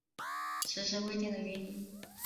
迟迟未定的原因